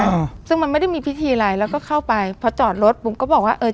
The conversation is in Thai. อ่าซึ่งมันไม่ได้มีพิธีอะไรแล้วก็เข้าไปพอจอดรถบุ๋มก็บอกว่าเออ